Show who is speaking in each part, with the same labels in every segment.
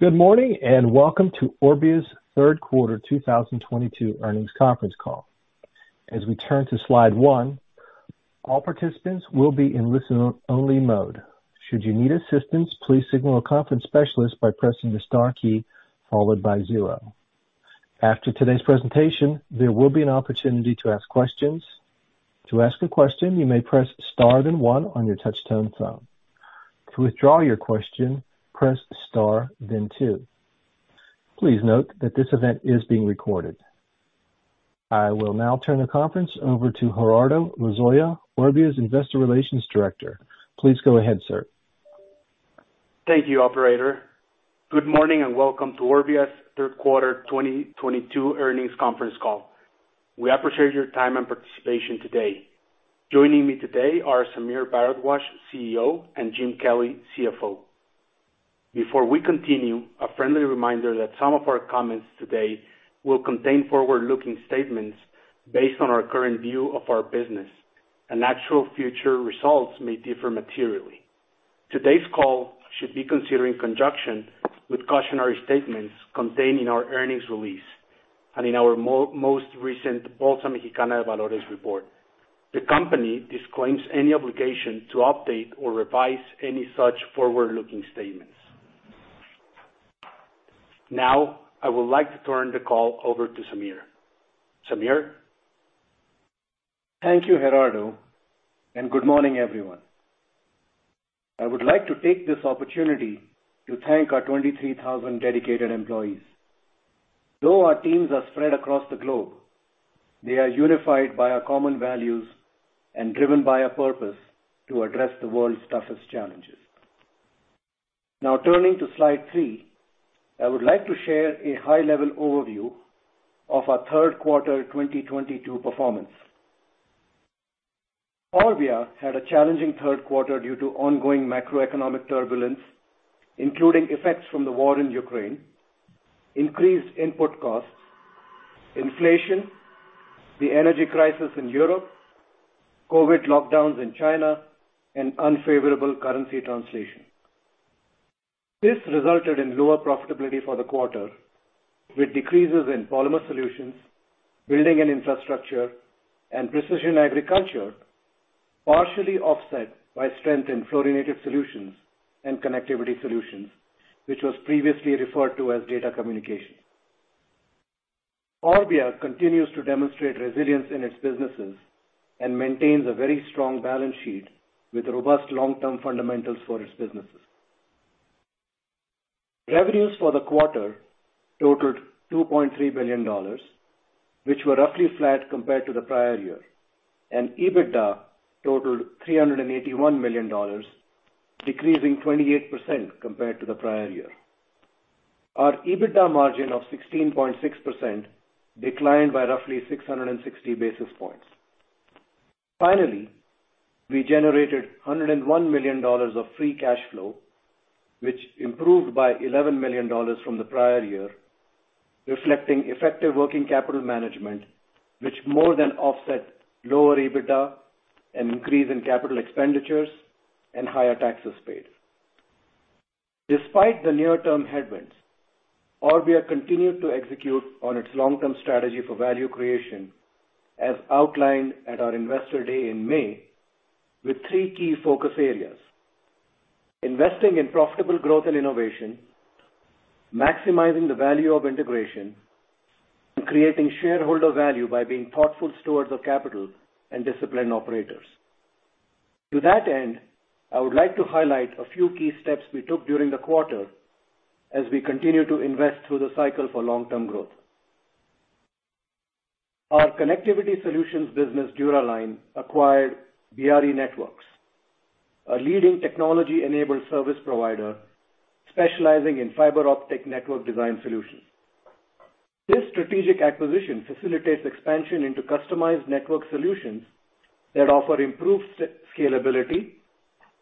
Speaker 1: Good morning, and welcome to Orbia's third quarter 2022 earnings conference call. As we turn to slide 1, all participants will be in listen-only mode. Should you need assistance, please signal a conference specialist by pressing the star key followed by zero. After today's presentation, there will be an opportunity to ask questions. To ask a question, you may press star then one on your touchtone phone. To withdraw your question, press star then two. Please note that this event is being recorded. I will now turn the conference over to Gerardo Lozoya, Orbia's Investor Relations Director. Please go ahead, sir.
Speaker 2: Thank you, operator. Good morning, and welcome to Orbia's third quarter 2022 earnings conference call. We appreciate your time and participation today. Joining me today are Sameer Bharadwaj, CEO, and Jim Kelly, CFO. Before we continue, a friendly reminder that some of our comments today will contain forward-looking statements based on our current view of our business, and actual future results may differ materially. Today's call should be considered in conjunction with cautionary statements contained in our earnings release and in our most recent Bolsa Mexicana de Valores report. The company disclaims any obligation to update or revise any such forward-looking statements. Now, I would like to turn the call over to Sameer. Sameer?
Speaker 3: Thank you, Gerardo, and good morning, everyone. I would like to take this opportunity to thank our 23,000 dedicated employees. Though our teams are spread across the globe, they are unified by our common values and driven by a purpose to address the world's toughest challenges. Now turning to slide three, I would like to share a high-level overview of our third quarter 2022 performance. Orbia had a challenging third quarter due to ongoing macroeconomic turbulence, including effects from the war in Ukraine, increased input costs, inflation, the energy crisis in Europe, COVID lockdowns in China, and unfavorable currency translation. This resulted in lower profitability for the quarter, with decreases in Polymer Solutions, Building and Infrastructure, and Precision Agriculture, partially offset by strength in Fluorinated Solutions and Connectivity Solutions, which was previously referred to as data communication. Orbia continues to demonstrate resilience in its businesses and maintains a very strong balance sheet with robust long-term fundamentals for its businesses. Revenues for the quarter totaled $2.3 billion, which were roughly flat compared to the prior year, and EBITDA totaled $381 million, decreasing 28% compared to the prior year. Our EBITDA margin of 16.6% declined by roughly 660 basis points. Finally, we generated $101 million of free cash flow, which improved by $11 million from the prior year, reflecting effective working capital management, which more than offset lower EBITDA, an increase in capital expenditures, and higher taxes paid. Despite the near-term headwinds, Orbia continued to execute on its long-term strategy for value creation as outlined at our Investor Day in May with three key focus areas, investing in profitable growth and innovation, maximizing the value of integration, and creating shareholder value by being thoughtful stewards of capital and disciplined operators. To that end, I would like to highlight a few key steps we took during the quarter as we continue to invest through the cycle for long-term growth. Our Connectivity Solutions business, Dura-Line, acquired Biarri Networks, a leading technology-enabled service provider specializing in fiber optic network design solutions. This strategic acquisition facilitates expansion into customized network solutions that offer improved scalability,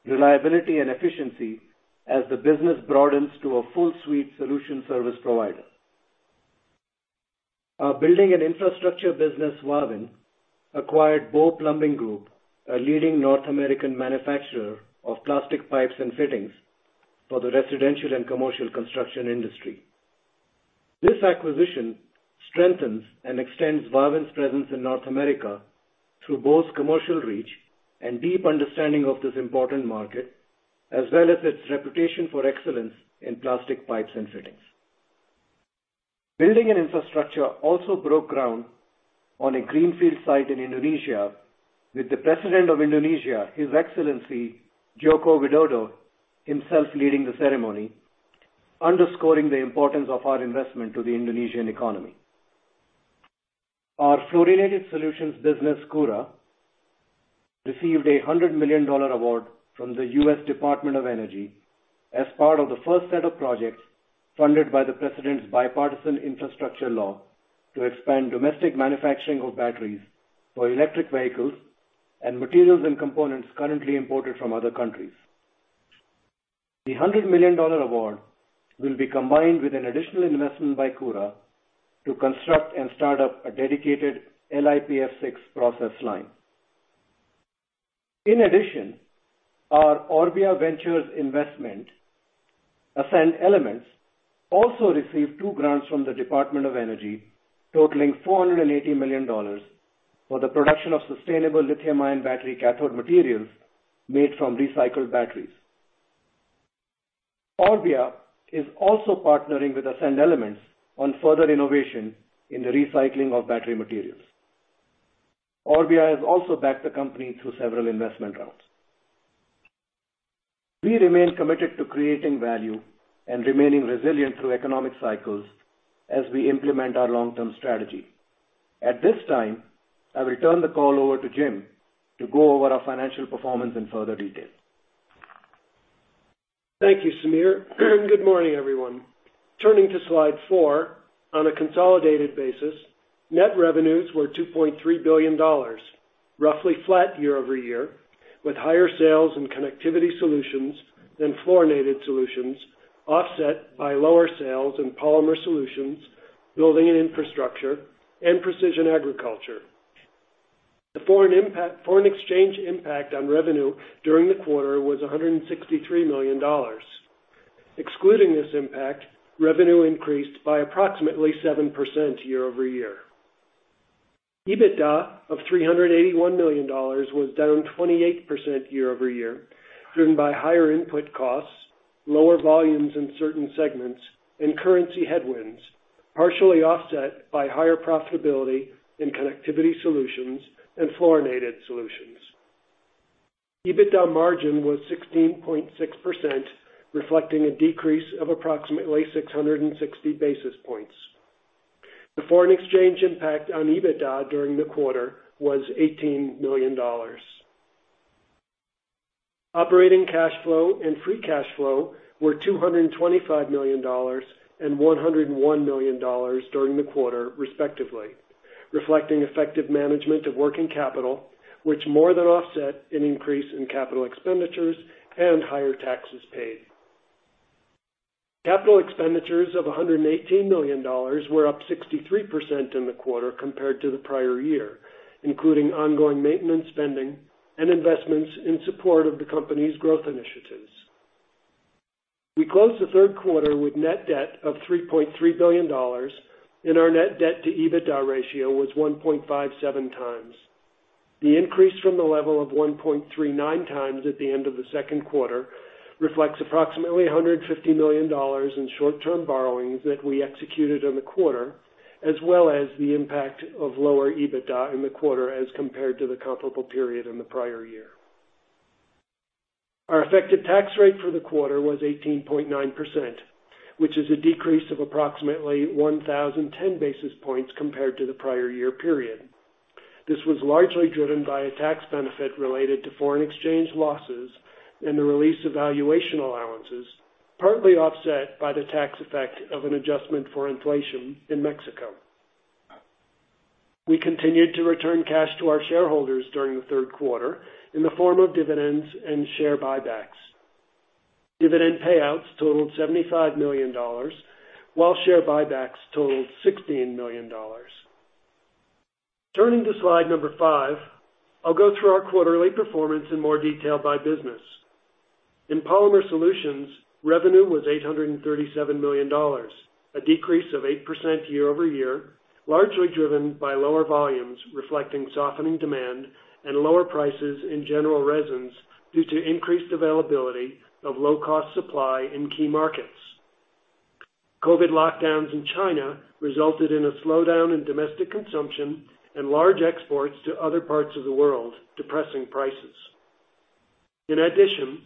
Speaker 3: reliability, and efficiency as the business broadens to a full suite solution service provider. Our Building and Infrastructure business, Wavin, acquired Bow Plumbing Group, a leading North American manufacturer of plastic pipes and fittings for the residential and commercial construction industry. This acquisition strengthens and extends Wavin's presence in North America through Bow's commercial reach and deep understanding of this important market, as well as its reputation for excellence in plastic pipes and fittings. Building and Infrastructure also broke ground on a greenfield site in Indonesia with the President of Indonesia, His Excellency Joko Widodo, himself leading the ceremony, underscoring the importance of our investment to the Indonesian economy. Our Fluorinated Solutions business, Koura, received a $100 million award from the U.S. Department of Energy as part of the first set of projects funded by the President's Bipartisan Infrastructure Law to expand domestic manufacturing of batteries for electric vehicles and materials and components currently imported from other countries. The $100 million award will be combined with an additional investment by Koura to construct and start up a dedicated LiPF6 process line. In addition, our Orbia Ventures investment, Ascend Elements, also received two grants from the Department of Energy totaling $480 million for the production of sustainable lithium-ion battery cathode materials made from recycled batteries. Orbia is also partnering with Ascend Elements on further innovation in the recycling of battery materials. Orbia has also backed the company through several investment rounds. We remain committed to creating value and remaining resilient through economic cycles as we implement our long-term strategy. At this time, I will turn the call over to Jim to go over our financial performance in further detail.
Speaker 4: Thank you, Sameer. Good morning, everyone. Turning to slide 4, on a consolidated basis, net revenues were $2.3 billion, roughly flat year-over-year, with higher sales in Connectivity Solutions than Fluorinated Solutions, offset by lower sales in Polymer Solutions, Building and Infrastructure, and Precision Agriculture. The foreign exchange impact on revenue during the quarter was $163 million. Excluding this impact, revenue increased by approximately 7% year-over-year. EBITDA of $381 million was down 28% year-over-year, driven by higher input costs, lower volumes in certain segments, and currency headwinds, partially offset by higher profitability in Connectivity Solutions and Fluorinated Solutions. EBITDA margin was 16.6%, reflecting a decrease of approximately 660 basis points. The foreign exchange impact on EBITDA during the quarter was $18 million. Operating cash flow and free cash flow were $225 million and $101 million during the quarter, respectively, reflecting effective management of working capital, which more than offset an increase in capital expenditures and higher taxes paid. Capital expenditures of $118 million were up 63% in the quarter compared to the prior year, including ongoing maintenance spending and investments in support of the company's growth initiatives. We closed the third quarter with net debt of $3.3 billion, and our net debt to EBITDA ratio was 1.57x. The increase from the level of 1.39x at the end of the second quarter reflects approximately $150 million in short-term borrowings that we executed in the quarter, as well as the impact of lower EBITDA in the quarter as compared to the comparable period in the prior year. Our effective tax rate for the quarter was 18.9%, which is a decrease of approximately 1,010 basis points compared to the prior year period. This was largely driven by a tax benefit related to foreign exchange losses and the release of valuation allowances, partly offset by the tax effect of an adjustment for inflation in Mexico. We continued to return cash to our shareholders during the third quarter in the form of dividends and share buybacks. Dividend payouts totaled $75 million, while share buybacks totaled $16 million. Turning to slide number 5, I'll go through our quarterly performance in more detail by business. In Polymer Solutions, revenue was $837 million, a decrease of 8% year-over-year, largely driven by lower volumes reflecting softening demand and lower prices in general resins due to increased availability of low-cost supply in key markets. COVID lockdowns in China resulted in a slowdown in domestic consumption and large exports to other parts of the world, depressing prices. In addition,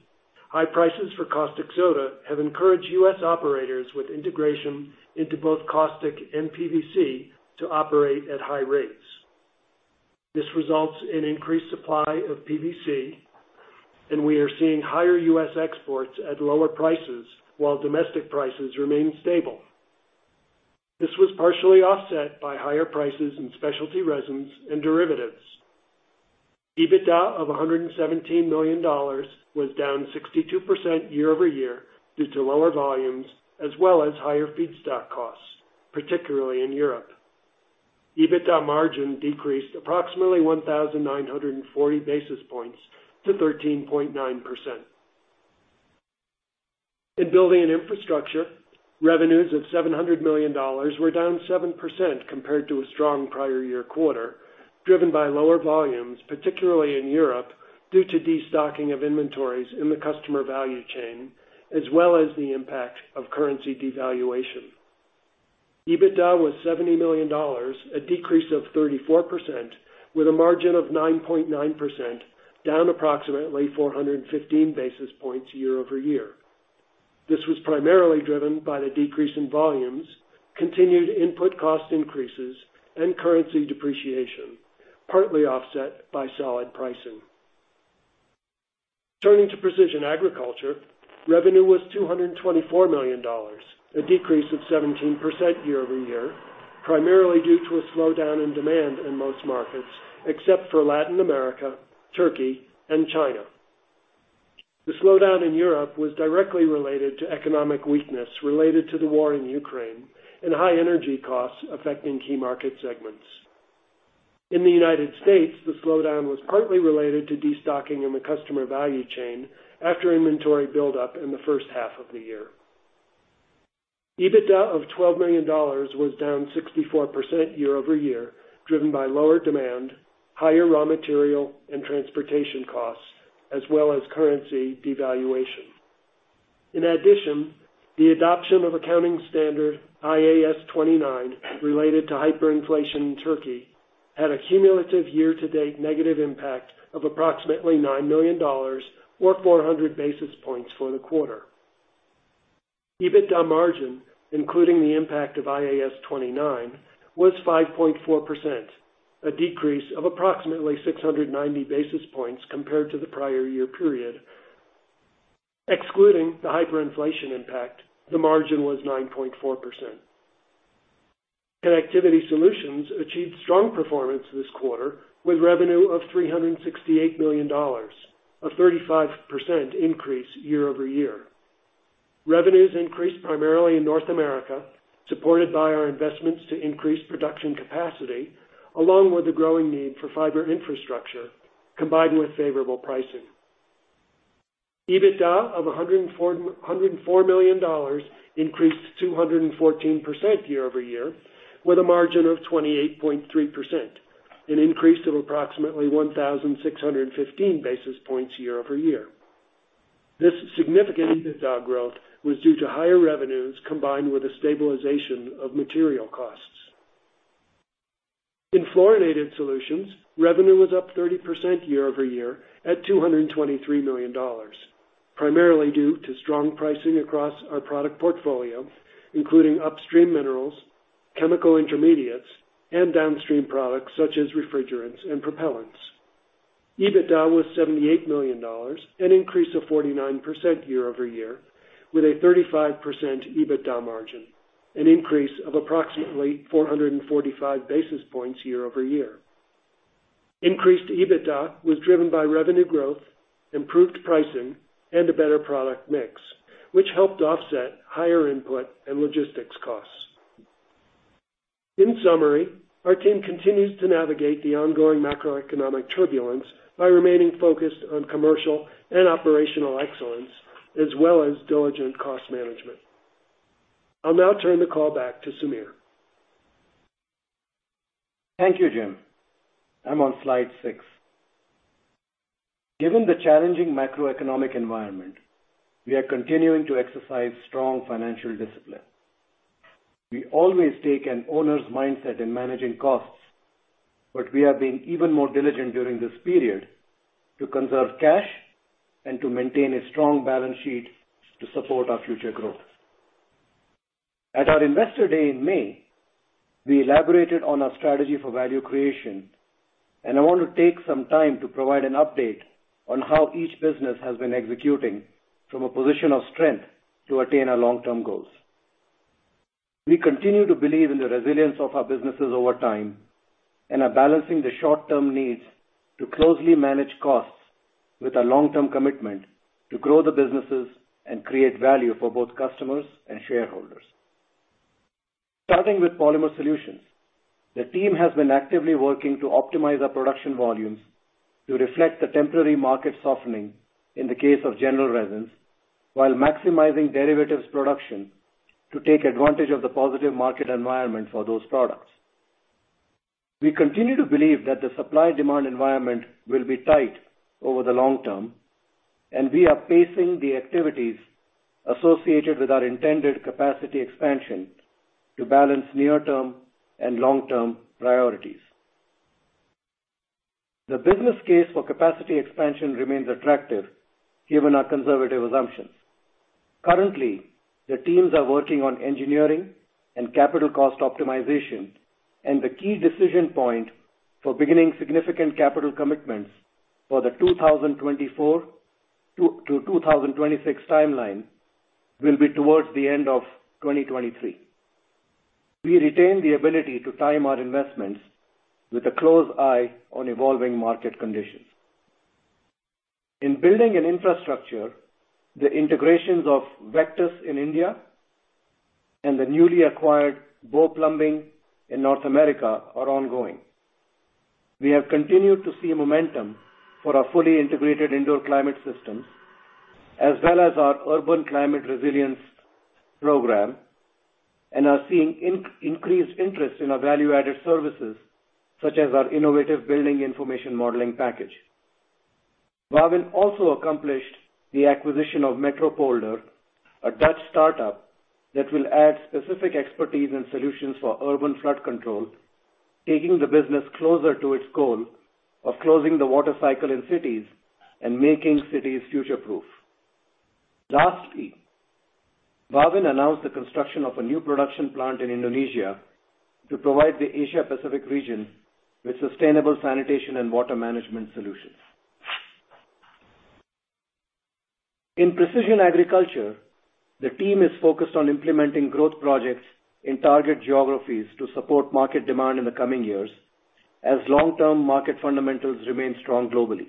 Speaker 4: high prices for caustic soda have encouraged U.S. operators with integration into both caustic and PVC to operate at high rates. This results in increased supply of PVC, and we are seeing higher U.S. exports at lower prices while domestic prices remain stable. This was partially offset by higher prices in specialty resins and derivatives. EBITDA of $117 million was down 62% year-over-year due to lower volumes as well as higher feedstock costs, particularly in Europe. EBITDA margin decreased approximately 1,940 basis points to 13.9%. In Building and Infrastructure, revenues of $700 million were down 7% compared to a strong prior year quarter, driven by lower volumes, particularly in Europe, due to destocking of inventories in the customer value chain as well as the impact of currency devaluation. EBITDA was $70 million, a decrease of 34%, with a margin of 9.9%, down approximately 415 basis points year-over-year. This was primarily driven by the decrease in volumes, continued input cost increases, and currency depreciation, partly offset by solid pricing. Turning to Precision Agriculture, revenue was $224 million, a decrease of 17% year-over-year, primarily due to a slowdown in demand in most markets except for Latin America, Turkey, and China. The slowdown in Europe was directly related to economic weakness related to the war in Ukraine and high energy costs affecting key market segments. In the United States, the slowdown was partly related to destocking in the customer value chain after inventory buildup in the first half of the year. EBITDA of $12 million was down 64% year-over-year, driven by lower demand, higher raw material and transportation costs, as well as currency devaluation. In addition, the adoption of accounting standard IAS 29 related to hyperinflation in Turkey had a cumulative year-to-date negative impact of approximately $9 million or 400 basis points for the quarter. EBITDA margin, including the impact of IAS 29, was 5.4%, a decrease of approximately 690 basis points compared to the prior year period. Excluding the hyperinflation impact, the margin was 9.4%. Connectivity Solutions achieved strong performance this quarter, with revenue of $368 million, a 35% increase year-over-year. Revenues increased primarily in North America, supported by our investments to increase production capacity, along with the growing need for fiber infrastructure combined with favorable pricing. EBITDA of $104 million increased 214% year-over-year with a margin of 28.3%, an increase of approximately 1,615 basis points year-over-year. This significant EBITDA growth was due to higher revenues combined with a stabilization of material costs. In Fluorinated Solutions, revenue was up 30% year-over-year at $223 million, primarily due to strong pricing across our product portfolio, including upstream minerals, chemical intermediates, and downstream products such as refrigerants and propellants. EBITDA was $78 million, an increase of 49% year-over-year with a 35% EBITDA margin, an increase of approximately 445 basis points year-over-year. Increased EBITDA was driven by revenue growth, improved pricing, and a better product mix, which helped offset higher input and logistics costs. In summary, our team continues to navigate the ongoing macroeconomic turbulence by remaining focused on commercial and operational excellence as well as diligent cost management. I'll now turn the call back to Sameer.
Speaker 3: Thank you, Jim. I'm on slide 6. Given the challenging macroeconomic environment, we are continuing to exercise strong financial discipline. We always take an owner's mindset in managing costs, but we have been even more diligent during this period to conserve cash and to maintain a strong balance sheet to support our future growth. At our Investor Day in May, we elaborated on our strategy for value creation, and I want to take some time to provide an update on how each business has been executing from a position of strength to attain our long-term goals. We continue to believe in the resilience of our businesses over time and are balancing the short-term needs to closely manage costs with our long-term commitment to grow the businesses and create value for both customers and shareholders. Starting with Polymer Solutions, the team has been actively working to optimize our production volumes to reflect the temporary market softening in the case of general resins, while maximizing derivatives production to take advantage of the positive market environment for those products. We continue to believe that the supply-demand environment will be tight over the long term, and we are pacing the activities associated with our intended capacity expansion to balance near-term and long-term priorities. The business case for capacity expansion remains attractive given our conservative assumptions. Currently, the teams are working on engineering and capital cost optimization, and the key decision point for beginning significant capital commitments for the 2024-2026 timeline will be towards the end of 2023. We retain the ability to time our investments with a close eye on evolving market conditions. In Building an Infrastructure, the integrations of Vectus in India and the newly acquired Bow Plumbing in North America are ongoing. We have continued to see momentum for our fully integrated indoor climate systems as well as our urban climate resilience program, and are seeing increased interest in our value-added services, such as our innovative Building Information Modeling package. Wavin also accomplished the acquisition of MetroPolder, a Dutch startup that will add specific expertise and solutions for urban flood control, taking the business closer to its goal of closing the water cycle in cities and making cities future-proof. Lastly, Wavin announced the construction of a new production plant in Indonesia to provide the Asia-Pacific region with sustainable sanitation and water management solutions. In Precision Agriculture, the team is focused on implementing growth projects in target geographies to support market demand in the coming years. As long-term market fundamentals remain strong globally.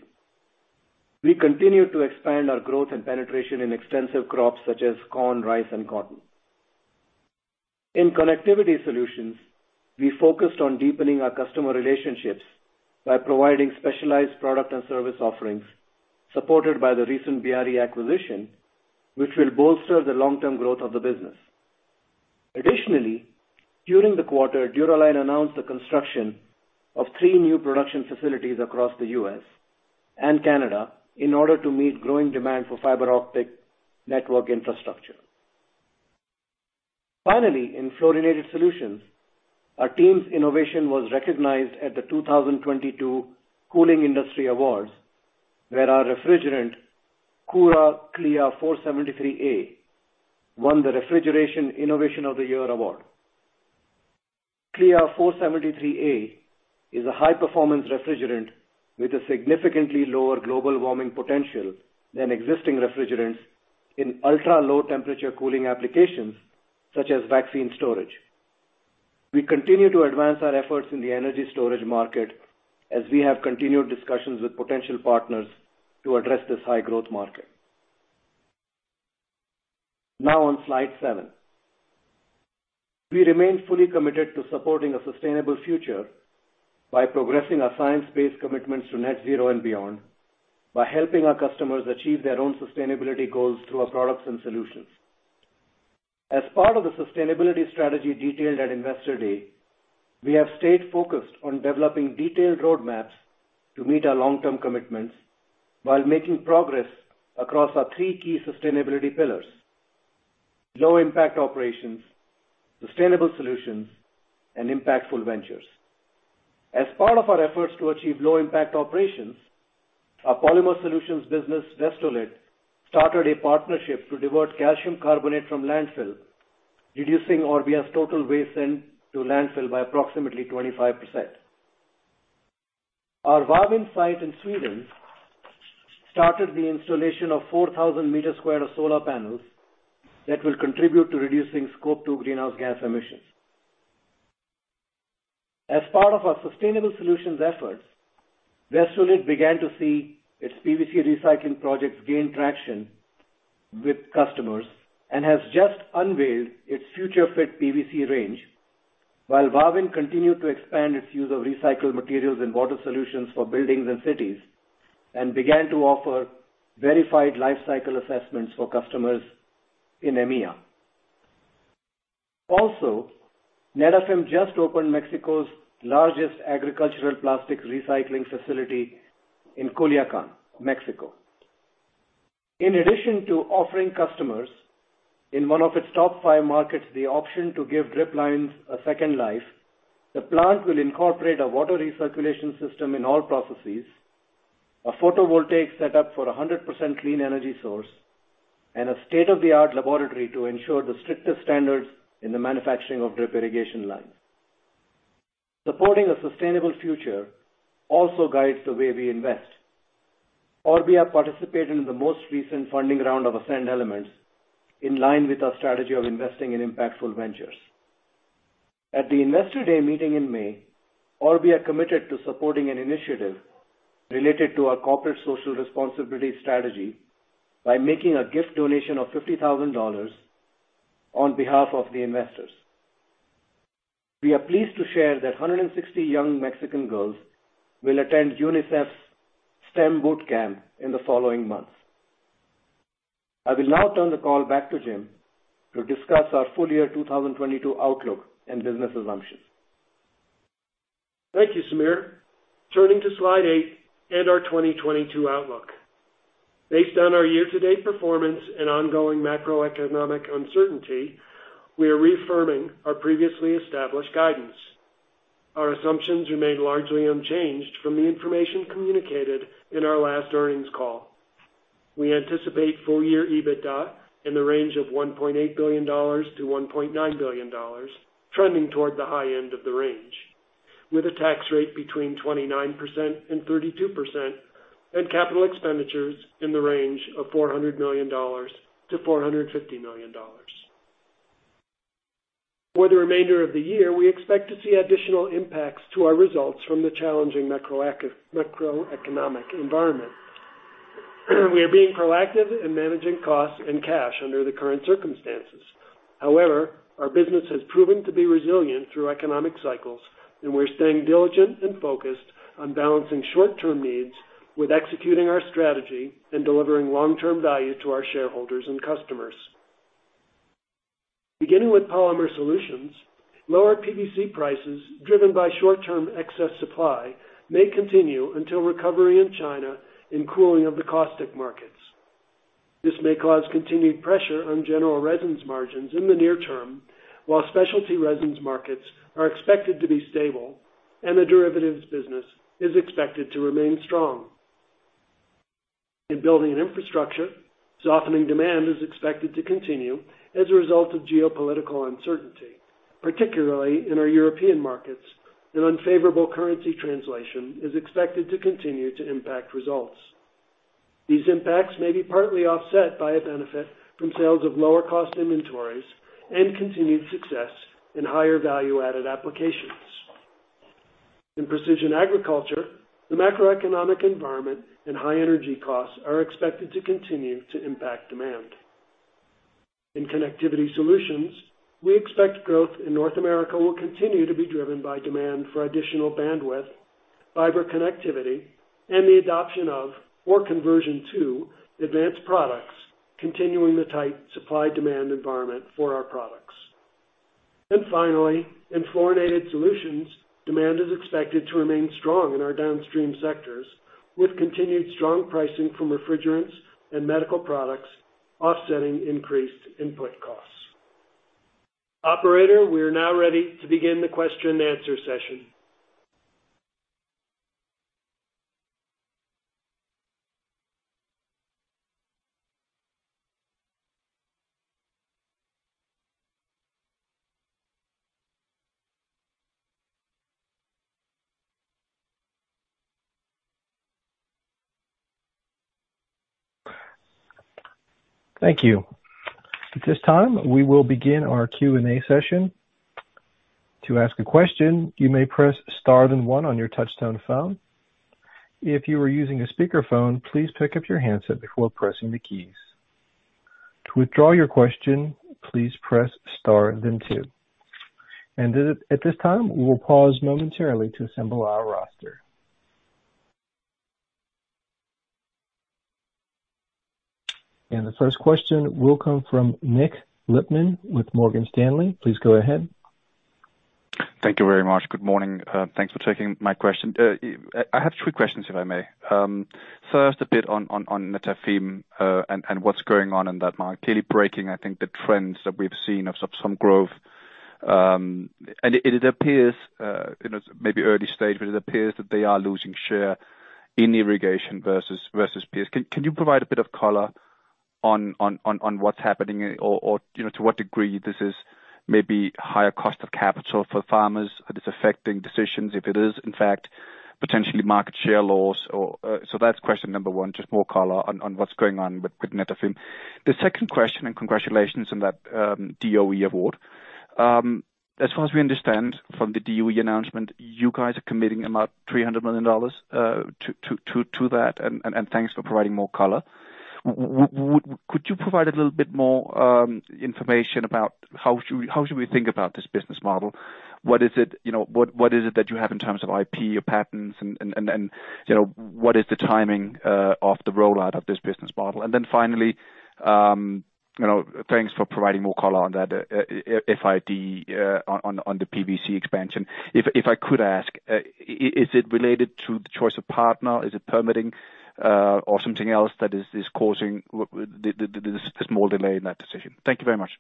Speaker 3: We continue to expand our growth and penetration in extensive crops such as corn, rice, and cotton. In Connectivity Solutions, we focused on deepening our customer relationships by providing specialized product and service offerings supported by the recent Biarri acquisition, which will bolster the long-term growth of the business. Additionally, during the quarter, Dura-Line announced the construction of three new production facilities across the U.S. and Canada in order to meet growing demand for fiber optic network infrastructure. Finally, in Fluorinated Solutions, our team's innovation was recognized at the 2022 Cooling Industry Awards, where our refrigerant, Koura Klea 473A, won the Refrigeration Innovation of the Year Award. Klea 473A is a high-performance refrigerant with a significantly lower global warming potential than existing refrigerants in ultra-low temperature cooling applications, such as vaccine storage. We continue to advance our efforts in the energy storage market as we have continued discussions with potential partners to address this high-growth market. Now on slide 7. We remain fully committed to supporting a sustainable future by progressing our science-based commitments to net zero and beyond by helping our customers achieve their own sustainability goals through our products and solutions. As part of the sustainability strategy detailed at Investor Day, we have stayed focused on developing detailed roadmaps to meet our long-term commitments while making progress across our three key sustainability pillars: low impact operations, sustainable solutions, and impactful ventures. As part of our efforts to achieve low impact operations, our Polymer Solutions business, Vestolit, started a partnership to divert calcium carbonate from landfill, reducing Orbia's total waste sent to landfill by approximately 25%. Our Wavin site in Sweden started the installation of 4,000 meter square of solar panels that will contribute to reducing Scope 2 greenhouse gas emissions. As part of our sustainable solutions efforts, Vestolit began to see its PVC recycling projects gain traction with customers and has just unveiled its future-fit PVC range, while Wavin continued to expand its use of recycled materials and water solutions for buildings and cities, and began to offer verified Life Cycle Assessments for customers in EMEA. Also, Netafim just opened Mexico's largest agricultural plastic recycling facility in Culiacán, Mexico. In addition to offering customers in one of its top five markets the option to give drip lines a second life, the plant will incorporate a water recirculation system in all processes, a photovoltaic set up for 100% clean energy source, and a state-of-the-art laboratory to ensure the strictest standards in the manufacturing of drip irrigation lines. Supporting a sustainable future also guides the way we invest. Orbia participated in the most recent funding round of Ascend Elements, in line with our strategy of investing in impactful ventures. At the Investor Day meeting in May, Orbia committed to supporting an initiative related to our corporate social responsibility strategy by making a gift donation of $50,000 on behalf of the investors. We are pleased to share that 160 young Mexican girls will attend UNICEF's STEM Bootcamp in the following months. I will now turn the call back to Jim to discuss our full year 2022 outlook and business assumptions.
Speaker 4: Thank you, Sameer. Turning to slide 8 and our 2022 outlook. Based on our year-to-date performance and ongoing macroeconomic uncertainty, we are reaffirming our previously established guidance. Our assumptions remain largely unchanged from the information communicated in our last earnings call. We anticipate full-year EBITDA in the range of $1.8 billion-$1.9 billion, trending toward the high end of the range, with a tax rate between 29% and 32%, and capital expenditures in the range of $400 million-$450 million. For the remainder of the year, we expect to see additional impacts to our results from the challenging macroeconomic environment. We are being proactive in managing costs and cash under the current circumstances. However, our business has proven to be resilient through economic cycles, and we're staying diligent and focused on balancing short-term needs with executing our strategy and delivering long-term value to our shareholders and customers. Beginning with Polymer Solutions, lower PVC prices driven by short-term excess supply may continue until recovery in China and cooling of the caustic markets. This may cause continued pressure on general resins margins in the near term, while specialty resins markets are expected to be stable and the derivatives business is expected to remain strong. In Building and Infrastructure, softening demand is expected to continue as a result of geopolitical uncertainty, particularly in our European markets, and unfavorable currency translation is expected to continue to impact results. These impacts may be partly offset by a benefit from sales of lower cost inventories and continued success in higher value-added applications. In Precision Agriculture, the macroeconomic environment and high energy costs are expected to continue to impact demand. In Connectivity Solutions, we expect growth in North America will continue to be driven by demand for additional bandwidth, fiber connectivity, and the adoption of or conversion to advanced products, continuing the tight supply demand environment for our products. Finally, in Fluorinated Solutions, demand is expected to remain strong in our downstream sectors, with continued strong pricing from refrigerants and medical products offsetting increased input costs. Operator, we are now ready to begin the question-and-answer session.
Speaker 1: Thank you. At this time, we will begin our Q&A session. To ask a question, you may press star then one on your touch-tone phone. If you are using a speakerphone, please pick up your handset before pressing the keys. To withdraw your question, please press star then two. At this time, we will pause momentarily to assemble our roster. The first question will come from Nik Lippmann with Morgan Stanley. Please go ahead.
Speaker 5: Thank you very much. Good morning. Thanks for taking my question. I have three questions, if I may. First, a bit on Netafim and what's going on in that market. Clearly breaking, I think, the trends that we've seen of some growth. It appears, you know, maybe early stage, but it appears that they are losing share in irrigation versus peers. Can you provide a bit of color on what's happening or, you know, to what degree this is maybe higher cost of capital for farmers? Is this affecting decisions if it is, in fact, potentially market share loss? So that's question number one, just more color on what's going on with Netafim. The second question, and congratulations on that, DOE award. As far as we understand from the DOE announcement, you guys are committing about $300 million to that, and thanks for providing more color. Could you provide a little bit more information about how should we, how should we think about this business model? What is it, you know, what is it that you have in terms of IP or patents and, you know, what is the timing of the rollout of this business model? Finally, you know, thanks for providing more color on that FID on the PVC expansion. If I could ask, is it related to the choice of partner? Is it permitting or something else that is causing this small delay in that decision? Thank you very much.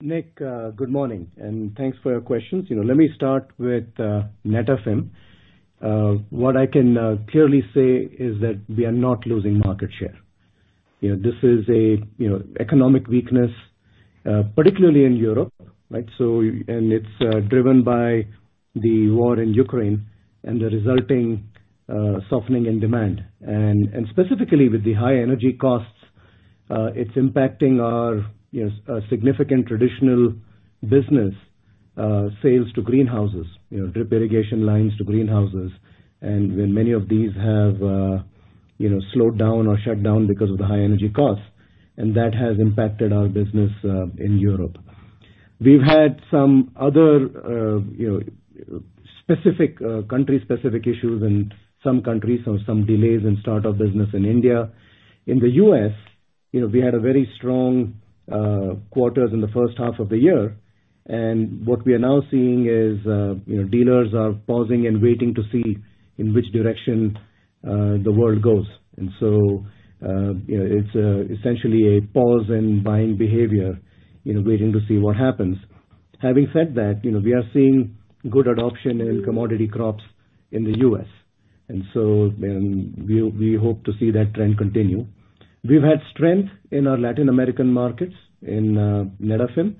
Speaker 3: Nik, good morning, and thanks for your questions. You know, let me start with Netafim. What I can clearly say is that we are not losing market share. You know, this is an economic weakness particularly in Europe, right? And it's driven by the war in Ukraine and the resulting softening in demand. And specifically with the high energy costs, it's impacting our significant traditional business sales to greenhouses, you know, drip irrigation lines to greenhouses. And when many of these have slowed down or shut down because of the high energy costs, and that has impacted our business in Europe. We've had some other specific country-specific issues in some countries or some delays in start-up business in India. In the U.S., you know, we had a very strong quarters in the first half of the year, and what we are now seeing is, you know, dealers are pausing and waiting to see in which direction the world goes. You know, it's essentially a pause in buying behavior, you know, waiting to see what happens. Having said that, you know, we are seeing good adoption in commodity crops in the U.S. We hope to see that trend continue. We've had strength in our Latin American markets in Netafim,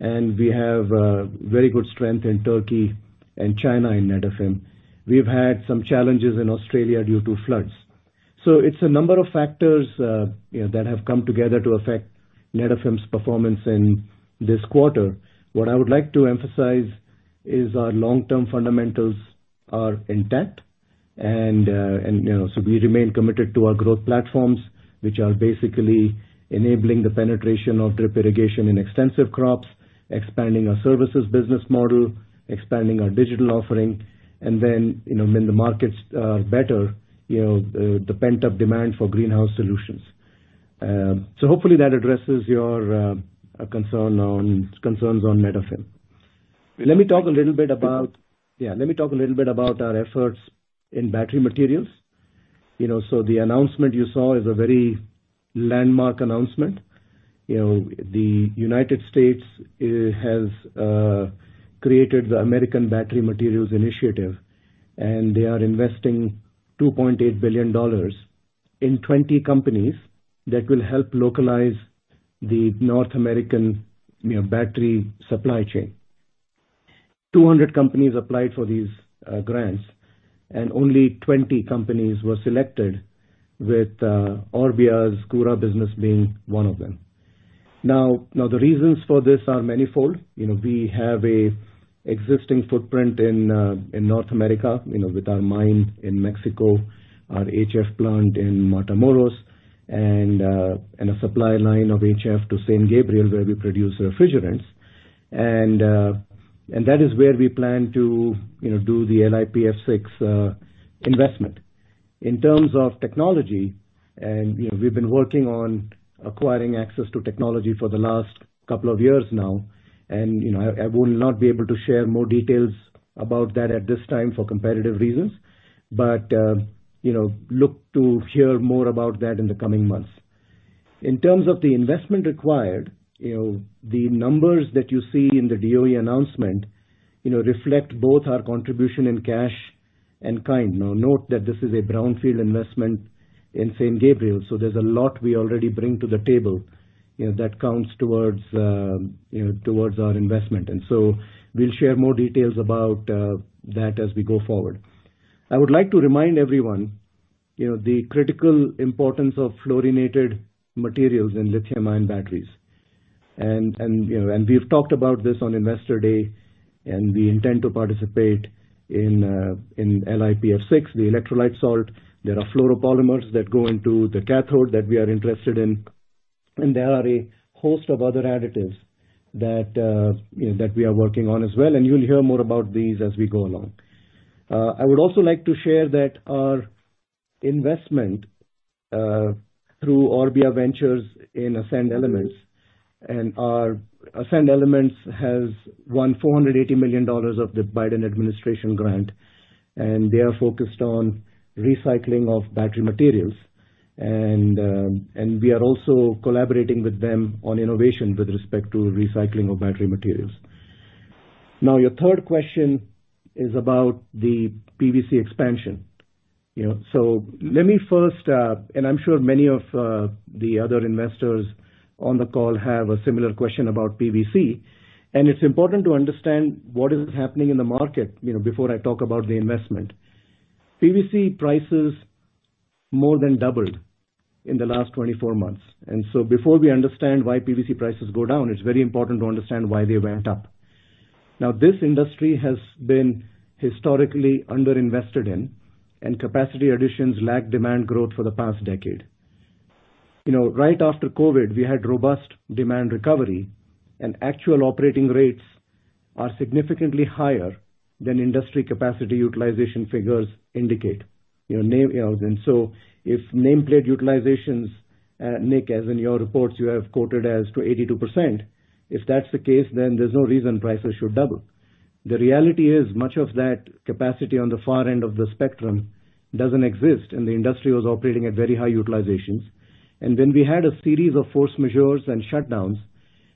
Speaker 3: and we have very good strength in Turkey and China in Netafim. We've had some challenges in Australia due to floods. It's a number of factors, you know, that have come together to affect Netafim's performance in this quarter. What I would like to emphasize is our long-term fundamentals are intact. We remain committed to our growth platforms, which are basically enabling the penetration of drip irrigation in extensive crops, expanding our services business model, expanding our digital offering, and then, you know, when the markets are better, you know, the pent-up demand for greenhouse solutions. Hopefully that addresses your concerns on Netafim. Let me talk a little bit about our efforts in battery materials. You know, the announcement you saw is a very landmark announcement. You know, the United States has created the American Battery Materials Initiative, and they are investing $2.8 billion in 20 companies that will help localize the North American, you know, battery supply chain. 200 companies applied for these grants, and only 20 companies were selected, with Orbia's Koura business being one of them. Now the reasons for this are manifold. You know, we have an existing footprint in North America, you know, with our mine in Mexico, our HF plant in Matamoros, and a supply line of HF to St. Gabriel, where we produce refrigerants. That is where we plan to, you know, do the LiPF6 investment. In terms of technology, you know, we've been working on acquiring access to technology for the last couple of years now, and, you know, I will not be able to share more details about that at this time for competitive reasons. You know, look to hear more about that in the coming months. In terms of the investment required, you know, the numbers that you see in the DOE announcement, you know, reflect both our contribution in cash and kind. Now, note that this is a brownfield investment in St. Gabriel, so there's a lot we already bring to the table, you know, that counts towards our investment. We'll share more details about that as we go forward. I would like to remind everyone, you know, the critical importance of fluorinated materials in lithium-ion batteries. You know, we've talked about this on Investor Day, and we intend to participate in LiPF6, the electrolyte salt. There are fluoropolymers that go into the cathode that we are interested in, and there are a host of other additives that, you know, that we are working on as well, and you'll hear more about these as we go along. I would also like to share that our investment through Orbia Ventures in Ascend Elements, and our Ascend Elements has won $480 million of the Biden administration grant, and they are focused on recycling of battery materials. We are also collaborating with them on innovation with respect to recycling of battery materials. Now, your third question is about the PVC expansion, you know. Let me first, and I'm sure many of the other investors on the call have a similar question about PVC. It's important to understand what is happening in the market, you know, before I talk about the investment. PVC prices more than doubled in the last 24 months. Before we understand why PVC prices go down, it's very important to understand why they went up. Now, this industry has been historically underinvested in, and capacity additions lagged demand growth for the past decade. You know, right after COVID, we had robust demand recovery and actual operating rates are significantly higher than industry capacity utilization figures indicate. You know, if nameplate utilizations, Nik, as in your reports you have quoted as 82%, if that's the case, then there's no reason prices should double. The reality is much of that capacity on the far end of the spectrum doesn't exist, and the industry was operating at very high utilizations. Then we had a series of force majeure and shutdowns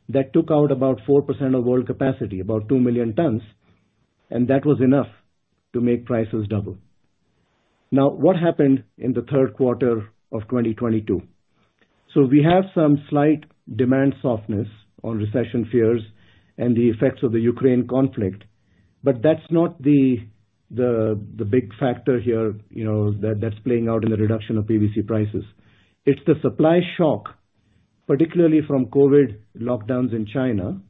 Speaker 3: that took out about 4% of world capacity, about 2 million tons, and that was enough to make prices double. Now, what happened in the third quarter of 2022? We have some slight demand softness on recession fears and the effects of the Ukraine conflict. That's not the big factor here, you know, that's playing out in the reduction of PVC prices. It's the supply shock, particularly from COVID lockdowns in China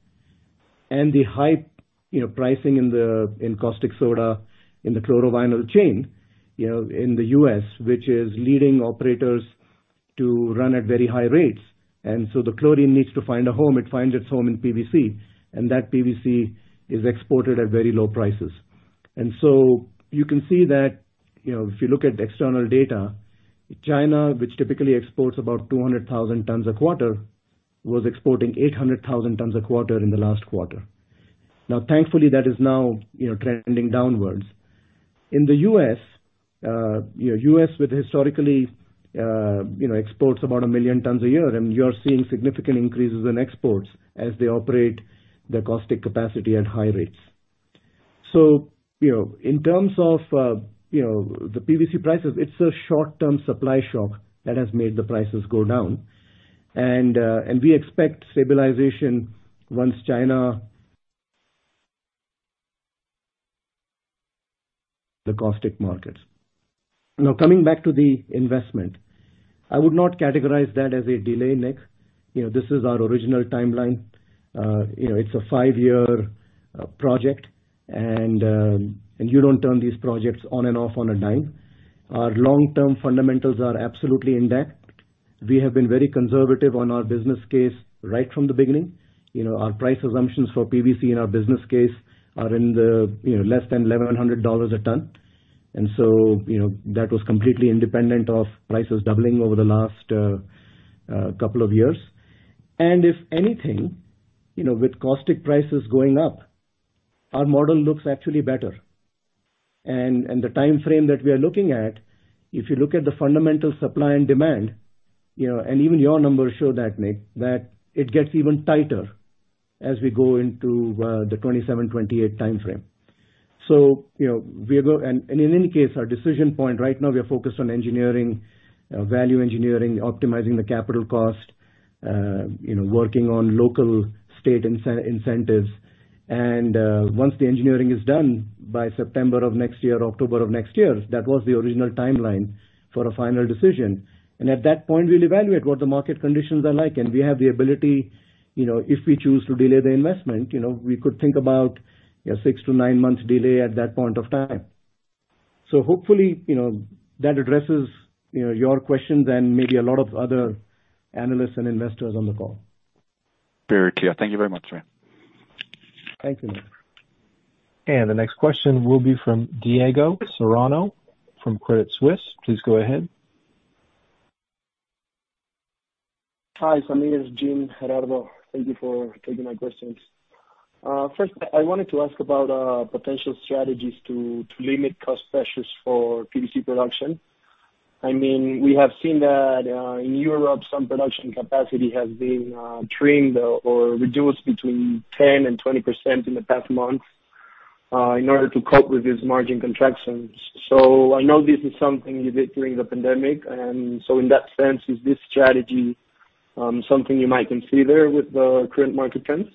Speaker 3: and the high, you know, pricing in the, in caustic soda in the chlorovinyl chain, you know, in the U.S., which is leading operators to run at very high rates. The chlorine needs to find a home. It finds its home in PVC, and that PVC is exported at very low prices. You can see that, if you look at external data, China, which typically exports about 200,000 tons a quarter, was exporting 800,000 tons a quarter in the last quarter. Now, thankfully that is now trending downwards. In the U.S., which historically exports about 1 million tons a year and you're seeing significant increases in exports as they operate their caustic capacity at high rates. In terms of the PVC prices, it's a short-term supply shock that has made the prices go down. We expect stabilization once the caustic markets. Now, coming back to the investment. I would not categorize that as a delay, Nik. You know, this is our original timeline. You know, it's a five-year project and you don't turn these projects on and off on a dime. Our long-term fundamentals are absolutely intact. We have been very conservative on our business case right from the beginning. You know, our price assumptions for PVC in our business case are in the, you know, less than $1,100 a ton. You know, that was completely independent of prices doubling over the last couple of years. If anything, you know, with caustic prices going up, our model looks actually better. The timeframe that we are looking at, if you look at the fundamental supply and demand, you know, and even your numbers show that, Nik, that it gets even tighter as we go into the 2027, 2028 timeframe. In any case, our decision point right now, we are focused on engineering, value engineering, optimizing the capital cost, you know, working on local state incentives. Once the engineering is done by September of next year, October of next year, that was the original timeline for a final decision. At that point, we'll evaluate what the market conditions are like. We have the ability, you know, if we choose to delay the investment, you know, we could think about a 6-9 month delay at that point of time. Hopefully, you know, that addresses, you know, your questions and maybe a lot of other analysts and investors on the call.
Speaker 5: Very clear. Thank you very much, Ram.
Speaker 3: Thank you Nik.
Speaker 1: The next question will be from Diego Serrano from Credit Suisse. Please go ahead.
Speaker 6: Hi, Sameer, Jim, and Gerardo. Thank you for taking my questions. First, I wanted to ask about potential strategies to limit cost pressures for PVC production. I mean, we have seen that in Europe, some production capacity has been trimmed or reduced between 10% and 20% in the past month in order to cope with these margin contractions. I know this is something you did during the pandemic. In that sense, is this strategy something you might consider with the current market trends?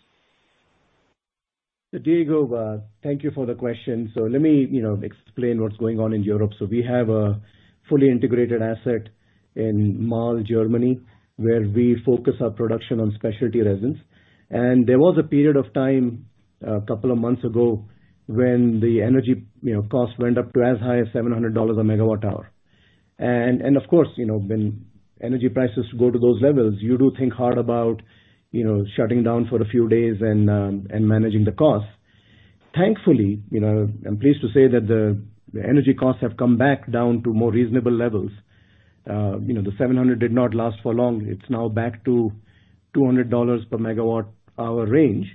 Speaker 3: Diego, thank you for the question. Let me, you know, explain what's going on in Europe. We have a fully integrated asset in Marl, Germany, where we focus our production on specialty resins. There was a period of time a couple of months ago when the energy, you know, cost went up to as high as $700 a megawatt hour. Of course, you know, when energy prices go to those levels, you do think hard about, you know, shutting down for a few days and managing the costs. Thankfully, you know, I'm pleased to say that the energy costs have come back down to more reasonable levels. You know, the $700 did not last for long. It's now back to $200 per megawatt hour range.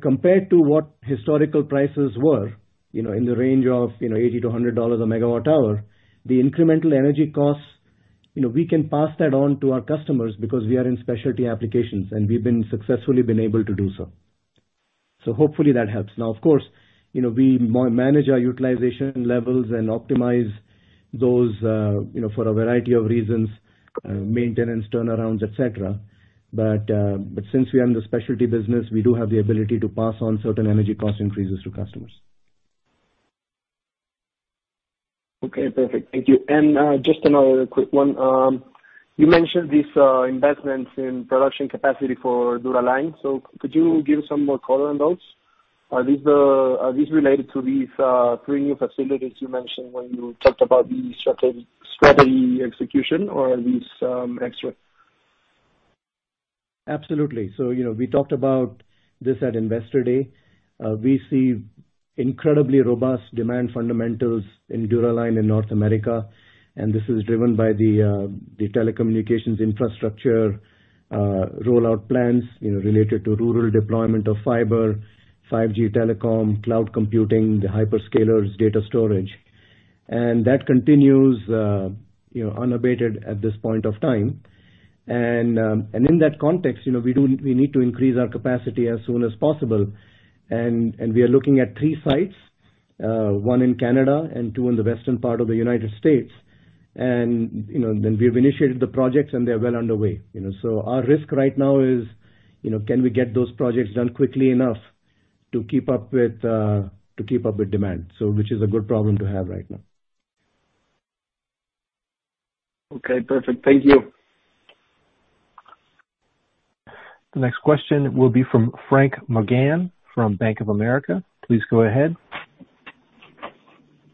Speaker 3: Compared to what historical prices were, you know, in the range of, you know, $80-$100 a megawatt hour, the incremental energy costs, you know, we can pass that on to our customers because we are in specialty applications, and we've been successfully able to do so. Hopefully that helps. Now, of course, you know, we manage our utilization levels and optimize those, you know, for a variety of reasons, maintenance, turnarounds, et cetera. But since we are in the specialty business, we do have the ability to pass on certain energy cost increases to customers.
Speaker 6: Okay, perfect. Thank you. Just another quick one. You mentioned these investments in production capacity for Dura-Line. Could you give some more color on those? Are these related to these three new facilities you mentioned when you talked about the strategy execution or are these extra?
Speaker 3: Absolutely. You know, we talked about this at Investor Day. We see incredibly robust demand fundamentals in Dura-Line in North America, and this is driven by the telecommunications infrastructure rollout plans, you know, related to rural deployment of fiber, 5G telecom, cloud computing, the hyperscalers, data storage. That continues, you know, unabated at this point of time. In that context, you know, we need to increase our capacity as soon as possible. We are looking at three sites, one in Canada and two in the western part of the United States. You know, we've initiated the projects and they are well underway. You know, our risk right now is, you know, can we get those projects done quickly enough to keep up with demand? Which is a good problem to have right now.
Speaker 6: Okay, perfect. Thank you.
Speaker 1: The next question will be from Frank McGann from Bank of America. Please go ahead.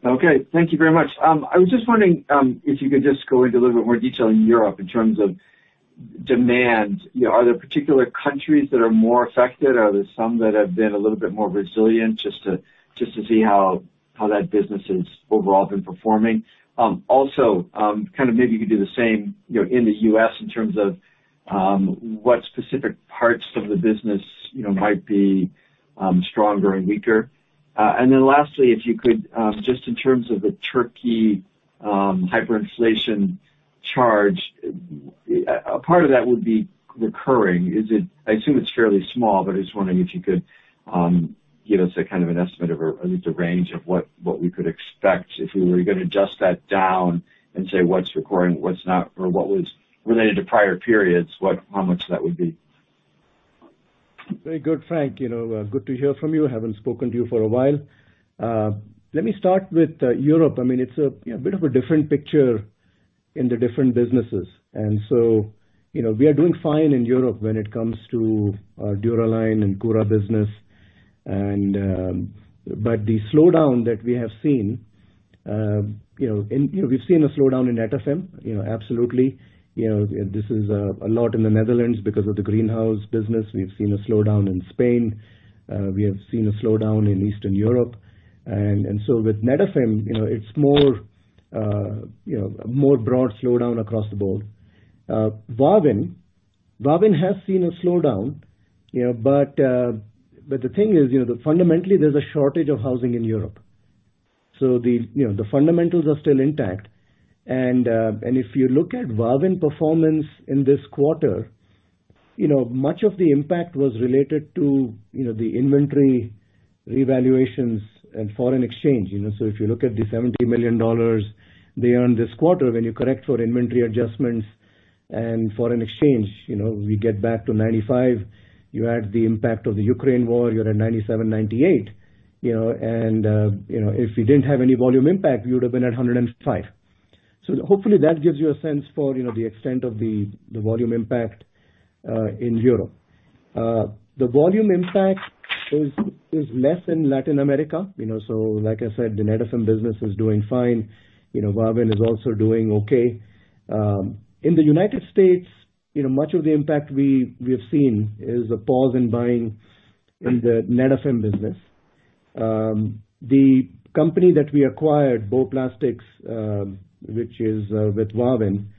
Speaker 7: Okay. Thank you very much. I was just wondering if you could just go into a little bit more detail in Europe in terms of demand. You know, are there particular countries that are more affected? Are there some that have been a little bit more resilient just to see how that business has overall been performing? Also, kind of maybe you could do the same, you know, in the U.S. in terms of what specific parts of the business, you know, might be stronger and weaker. Lastly, if you could just in terms of Turkey's hyperinflation charge, a part of that would be recurring? Is it? I assume it's fairly small, but I was wondering if you could give us a kind of an estimate of or at least a range of what we could expect if you were gonna adjust that down and say what's recurring, what's not, or what was related to prior periods, how much that would be.
Speaker 3: Very good, Frank. You know, good to hear from you. Haven't spoken to you for a while. Let me start with Europe. I mean, it's a bit of a different picture in the different businesses. You know, we are doing fine in Europe when it comes to our Dura-Line and Koura business. But the slowdown that we have seen, you know, and we've seen a slowdown in Netafim. You know, absolutely. You know, this is a lot in the Netherlands because of the greenhouse business. We've seen a slowdown in Spain. We have seen a slowdown in Eastern Europe. So with Netafim, you know, it's more, you know, more broad slowdown across the board. Wavin. Wavin has seen a slowdown, you know, but the thing is, you know, fundamentally, there's a shortage of housing in Europe. The fundamentals are still intact. If you look at Wavin performance in this quarter, you know, much of the impact was related to the inventory revaluations and foreign exchange, you know. If you look at the $70 million they earned this quarter, when you correct for inventory adjustments and foreign exchange, you know, we get back to $95 million. You add the impact of the Ukraine war, you're at $97 million, $98 million, you know. If we didn't have any volume impact, we would have been at $105 million. Hopefully that gives you a sense for the extent of the volume impact in Europe. The volume impact is less in Latin America, you know. Like I said, the Netafim business is doing fine. You know, Wavin is also doing okay. In the United States, you know, much of the impact we have seen is a pause in buying in the Netafim business. The company that we acquired, Bow Plastics, which is with Wavin,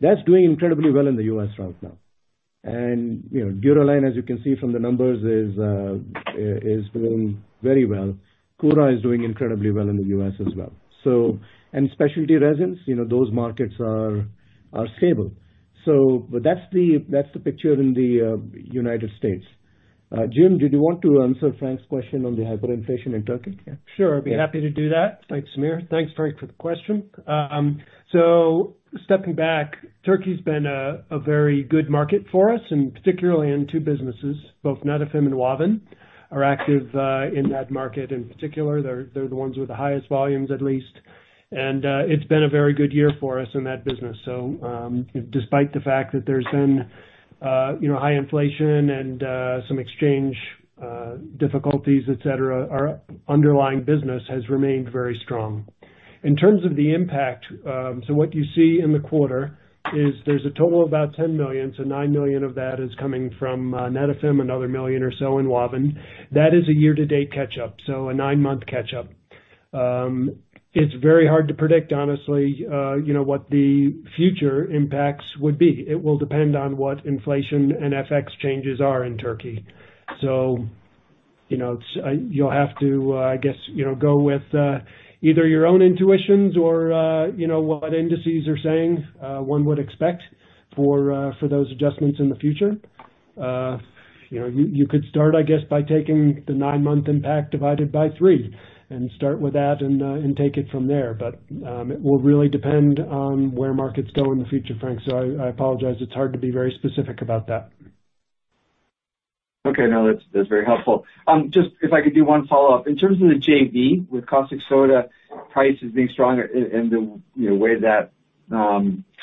Speaker 3: that's doing incredibly well in the U.S. right now. You know, Dura-Line, as you can see from the numbers, is doing very well. Koura is doing incredibly well in the U.S. as well. Specialty resins, you know, those markets are stable. That's the picture in the United States. Jim, did you want to answer Frank's question on the hyperinflation in Turkey?
Speaker 4: Sure. I'd be happy to do that. Thanks, Sameer. Thanks, Frank, for the question. Stepping back, Turkey's been a very good market for us, and particularly in two businesses. Both Netafim and Wavin are active in that market. In particular, they're the ones with the highest volumes at least. It's been a very good year for us in that business. Despite the fact that there's been you know, high inflation and some exchange difficulties, et cetera, our underlying business has remained very strong. In terms of the impact, what you see in the quarter is there's a total of about $10 million. $9 million of that is coming from Netafim, another $1 million or so in Wavin. That is a year-to-date catch up, a nine-month catch up. It's very hard to predict, honestly, you know, what the future impacts would be. It will depend on what inflation and FX changes are in Turkey. You'll have to, I guess, you know, go with either your own intuitions or, you know, what indices are saying, one would expect for those adjustments in the future. You know, you could start, I guess, by taking the nine-month impact divided by three and start with that and take it from there. It will really depend on where markets go in the future, Frank. I apologize, it's hard to be very specific about that.
Speaker 7: No, that's very helpful. Just if I could do one follow-up. In terms of the JV with caustic soda prices being stronger in the, you know, way that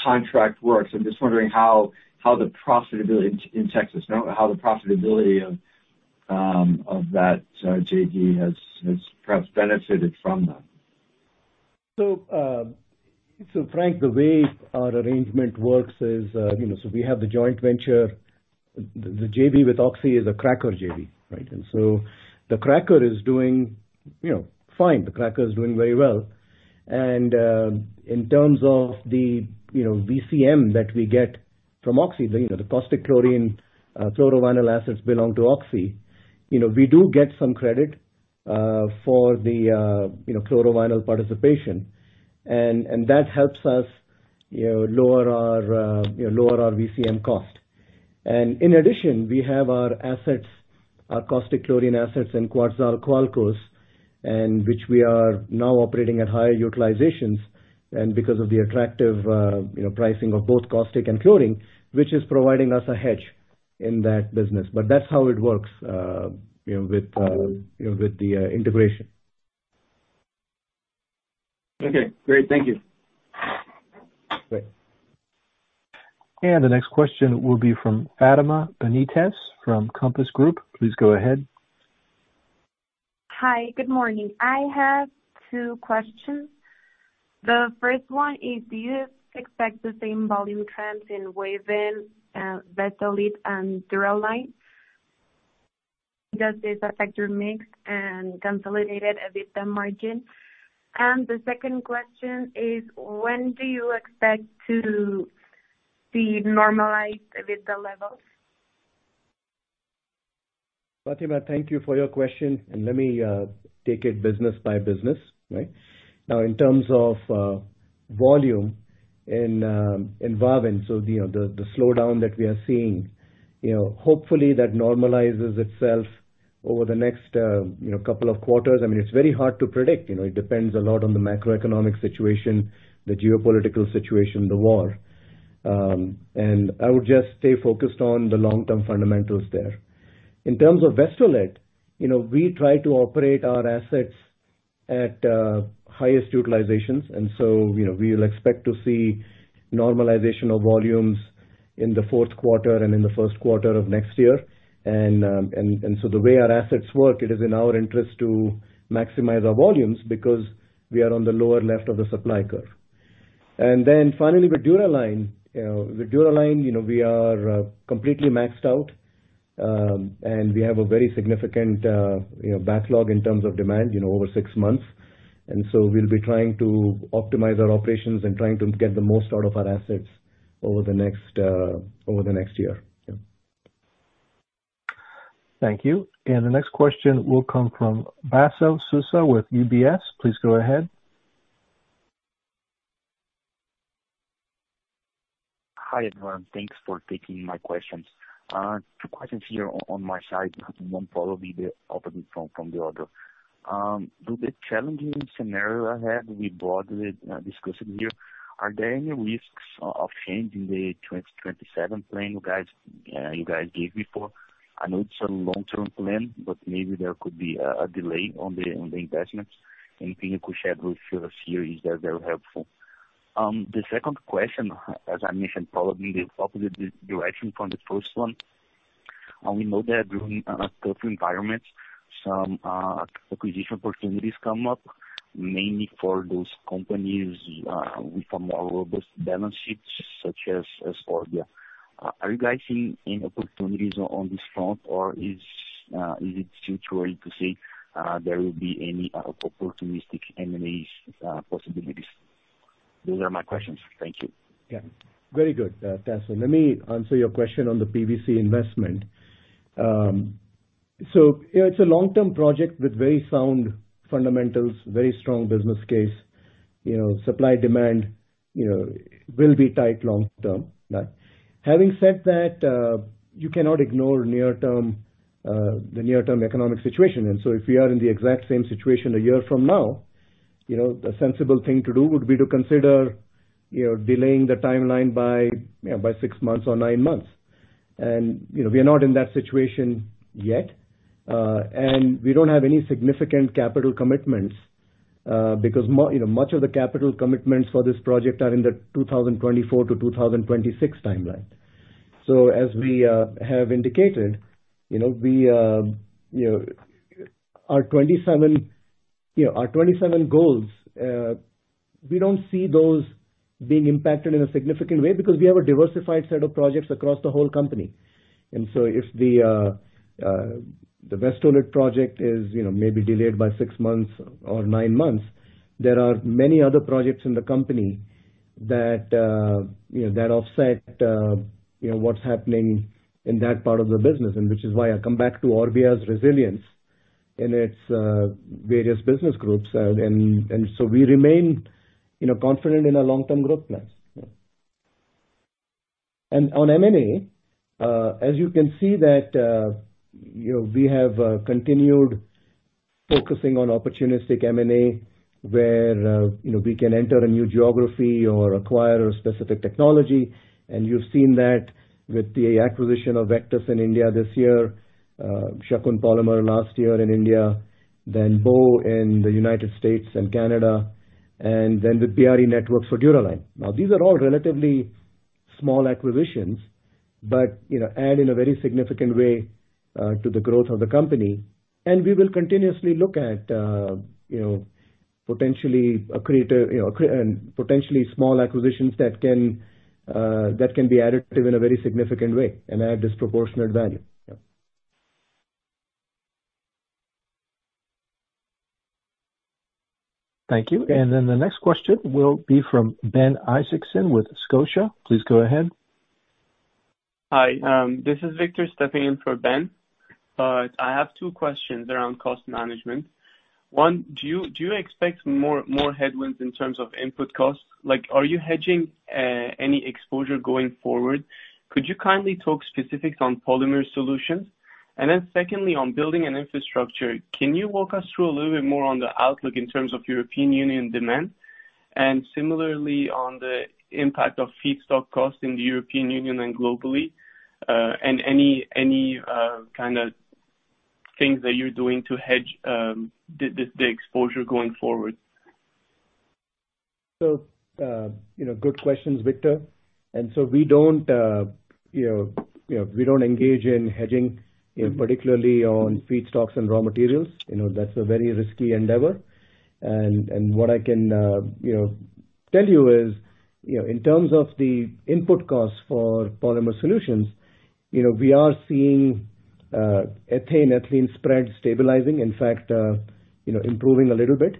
Speaker 7: contract works, I'm just wondering how the profitability in Texas, you know, how the profitability of that JV has perhaps benefited from that.
Speaker 3: Frank, the way our arrangement works is, you know, we have the joint venture. The JV with Oxy is a cracker JV, right? The cracker is doing, you know, fine. The cracker is doing very well. In terms of the, you know, VCM that we get from Oxy, you know, the caustic, chlorine chlorovinyl assets belong to Oxy. You know, we do get some credit for the, you know, chlorovinyl participation, and that helps us, you know, lower our VCM cost. In addition, we have our assets, our caustic chlorine assets in Coatzacoalcos, which we are now operating at higher utilizations, and because of the attractive, you know, pricing of both caustic and chlorine, which is providing us a hedge in that business. That's how it works, you know, with the integration.
Speaker 7: Okay, great. Thank you.
Speaker 3: Great.
Speaker 1: The next question will be from Fatima Benitez from Compass Group. Please go ahead.
Speaker 8: Hi. Good morning. I have two questions. The first one is, do you expect the same volume trends in Wavin, Vestolit and Dura-Line? Does this affect your mix and consolidated EBITDA margin? The second question is, when do you expect to see normalized EBITDA levels?
Speaker 3: Fatima, thank you for your question. Let me take it business by business, right? Now, in terms of volume in Wavin, so, you know, the slowdown that we are seeing, you know, hopefully that normalizes itself over the next, you know, couple of quarters. I mean, it's very hard to predict, you know. It depends a lot on the macroeconomic situation, the geopolitical situation, the war. I would just stay focused on the long-term fundamentals there. In terms of Vestolit, you know, we try to operate our assets at highest utilizations, and so, you know, we'll expect to see normalization of volumes in the fourth quarter and in the first quarter of next year. The way our assets work, it is in our interest to maximize our volumes because we are on the lower left of the supply curve. Finally, with Dura-Line. You know, with Dura-Line, you know, we are completely maxed out, and we have a very significant, you know, backlog in terms of demand, you know, over six months. We'll be trying to optimize our operations and trying to get the most out of our assets over the next year. Yeah.
Speaker 1: Thank you. The next question will come from Vasconcellos with UBS. Please go ahead.
Speaker 9: Hi, everyone. Thanks for taking my questions. Two questions here on my side. One probably the opposite from the other. In the challenging scenario ahead we broadly discussed it here. Are there any risks of changing the 2027 plan you guys gave before? I know it's a long-term plan, but maybe there could be a delay on the investments. Anything you could share with us here? That would be very helpful. The second question, as I mentioned, probably in the opposite direction from the first one. We know that during tough environments, some acquisition opportunities come up, mainly for those companies with a more robust balance sheets such as Orbia. Are you guys seeing any opportunities on this front or is it too early to say there will be any opportunistic M&As possibilities? Those are my questions. Thank you.
Speaker 3: Yeah. Very good, Tasso. Let me answer your question on the PVC investment. So, you know, it's a long-term project with very sound fundamentals, very strong business case. You know, supply demand, you know, will be tight long term. Now, having said that, you cannot ignore the near-term economic situation. If we are in the exact same situation a year from now, you know, the sensible thing to do would be to consider, you know, delaying the timeline by six months or nine months. You know, we are not in that situation yet. We don't have any significant capital commitments, because you know, much of the capital commitments for this project are in the 2024-2026 timeline. As we have indicated, you know, we, you know, our 27 goals, we don't see those being impacted in a significant way because we have a diversified set of projects across the whole company. If the Vestolit project is, you know, maybe delayed by six months or nine months, there are many other projects in the company that, you know, that offset, you know, what's happening in that part of the business. Which is why I come back to Orbia's resilience in its various business groups. We remain, you know, confident in our long-term growth plans. On M&A, as you can see that, you know, we have continued focusing on opportunistic M&A where, you know, we can enter a new geography or acquire a specific technology. You've seen that with the acquisition of Vectus in India this year, Shakun Polymers last year in India, then Bow in the United States and Canada, and then the premise network for Dura-Line. Now, these are all relatively small acquisitions but, you know, add in a very significant way to the growth of the company. We will continuously look at, you know, potentially small acquisitions that can be additive in a very significant way and add disproportionate value. Yeah.
Speaker 1: Thank you. The next question will be from Ben Isaacson with Scotia. Please go ahead.
Speaker 10: Hi. This is Victor stepping in for Ben. I have two questions around cost management. One, do you expect more headwinds in terms of input costs? Like, are you hedging any exposure going forward? Could you kindly talk specifics on Polymer Solutions? Then secondly, on Building and Infrastructure, can you walk us through a little bit more on the outlook in terms of European Union demand? And similarly, on the impact of feedstock costs in the European Union and globally, and any kind of things that you're doing to hedge the exposure going forward.
Speaker 3: You know, good questions, Victor. We don't engage in hedging, you know, particularly on feedstocks and raw materials. You know, that's a very risky endeavor. What I can tell you is, you know, in terms of the input costs for Polymer Solutions, you know, we are seeing ethane/ethylene spread stabilizing, in fact, you know, improving a little bit.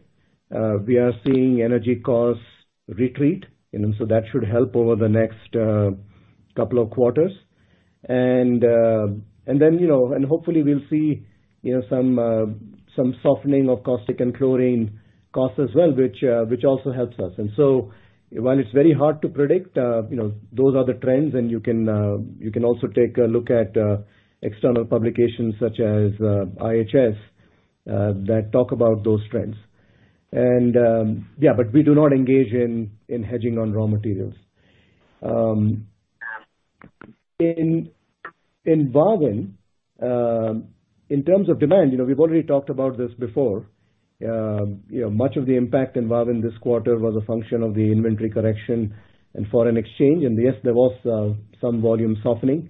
Speaker 3: We are seeing energy costs retreat, you know, so that should help over the next couple of quarters. Hopefully we'll see, you know, some softening of caustic and chlorine costs as well, which also helps us. While it's very hard to predict, you know, those are the trends, and you can also take a look at external publications such as IHS that talk about those trends. Yeah, but we do not engage in hedging on raw materials. In Wavin in terms of demand, you know, we've already talked about this before. You know, much of the impact in Wavin this quarter was a function of the inventory correction and foreign exchange. Yes, there was some volume softening.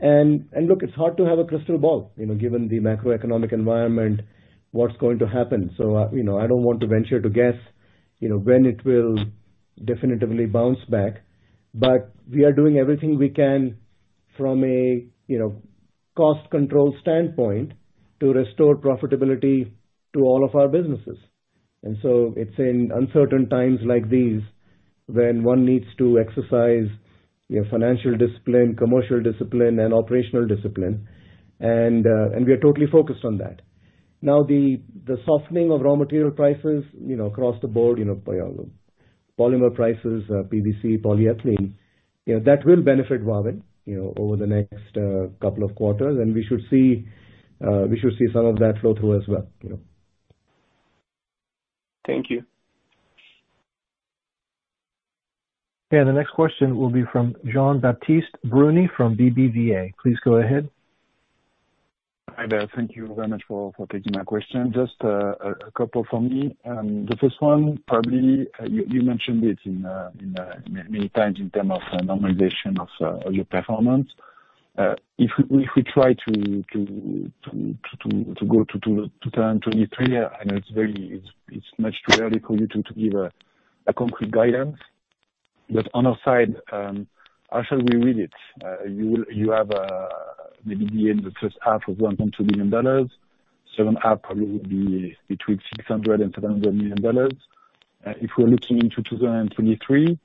Speaker 3: Look, it's hard to have a crystal ball, you know, given the macroeconomic environment, what's going to happen. You know, I don't want to venture to guess, you know, when it will definitively bounce back. We are doing everything we can from a, you know, cost control standpoint to restore profitability to all of our businesses. It's in uncertain times like these when one needs to exercise, you know, financial discipline, commercial discipline and operational discipline. We are totally focused on that. Now, the softening of raw material prices, you know, across the board, you know, by all the polymer prices, PVC, polyethylene, you know, that will benefit Wavin, you know, over the next, couple of quarters. We should see some of that flow through as well, you know.
Speaker 10: Thank you.
Speaker 1: The next question will be from Jean Baptiste Bruny from BBVA. Please go ahead.
Speaker 11: Hi there. Thank you very much for taking my question. Just a couple from me. The first one, probably, you mentioned it many times in terms of normalization of your performance. If we try to go to 2023, I know it's very early for you to give a concrete guidance. On our side, how shall we read it? You have maybe in the first half of $1.2 billion, second half probably will be between $600 million and $700 million. If we're looking into 2023,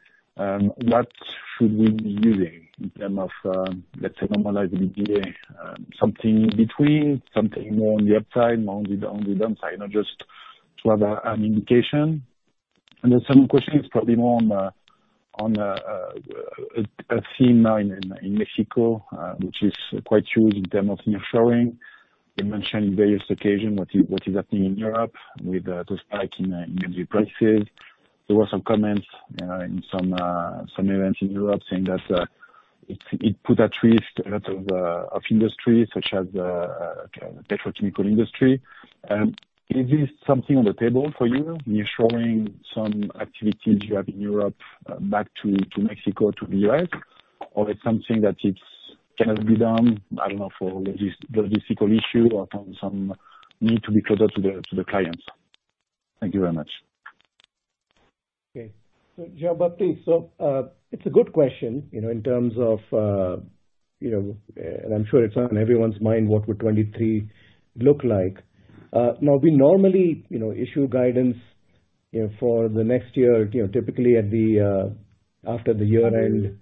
Speaker 11: what should we be using in terms of, let's say normalized EBITDA? Something in between? Something more on the upside, more on the downside? You know, just to have an indication. Some questions probably more on a theme now in Mexico, which is quite huge in terms of nearshoring. You mentioned in various occasions what is happening in Europe with those spikes in energy prices. There were some comments in some events in Europe saying that it put at risk a lot of industry such as petrochemical industry. Is this something on the table for you? Nearshoring some activities you have in Europe back to Mexico, to the U.S.? Or it's something that it cannot be done, I don't know, for logistical issue or from some need to be closer to the clients. Thank you very much.
Speaker 3: Okay. Jean Baptiste, it's a good question, you know, in terms of, you know, and I'm sure it's on everyone's mind, what would 2023 look like? Now we normally issue guidance for the next year typically at the after the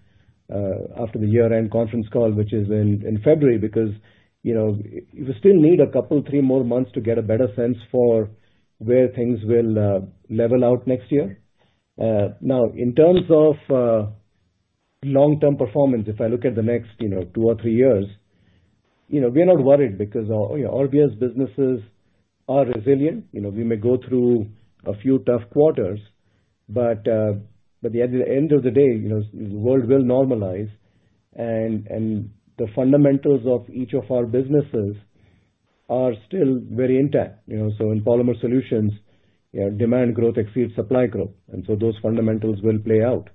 Speaker 3: year-end conference call, which is in February, because you know, you still need a couple, three more months to get a better sense for where things will level out next year. Now in terms of long-term performance, if I look at the next, you know, two or three years, you know, we are not worried because you know, Orbia's businesses are resilient. You know, we may go through a few tough quarters. At the end of the day, you know, the world will normalize and the fundamentals of each of our businesses are still very intact. You know, in Polymer Solutions, you know, demand growth exceeds supply growth. Those fundamentals will play out.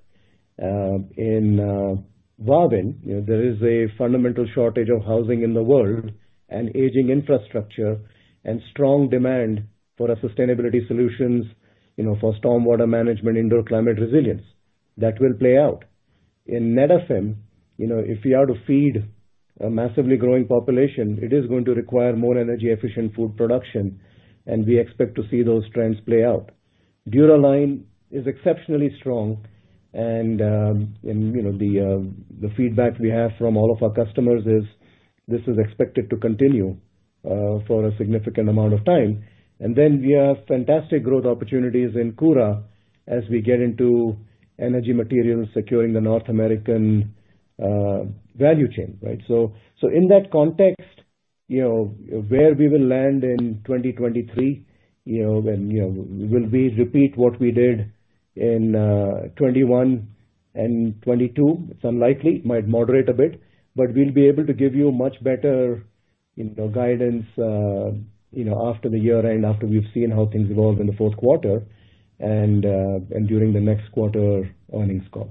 Speaker 3: In Wavin, you know, there is a fundamental shortage of housing in the world and aging infrastructure and strong demand for our sustainability solutions, you know, for stormwater management, indoor climate resilience. That will play out. In Netafim, you know, if we are to feed a massively growing population, it is going to require more energy efficient food production, and we expect to see those trends play out. Dura-Line is exceptionally strong and, you know, the feedback we have from all of our customers is this is expected to continue for a significant amount of time. We have fantastic growth opportunities in Koura as we get into energy materials securing the North American value chain, right? In that context, you know, where we will land in 2023, you know, when, you know, we will repeat what we did in 2021 and 2022, it's unlikely. Might moderate a bit, but we'll be able to give you much better guidance after the year-end, after we've seen how things evolve in the fourth quarter and during the next quarter earnings call.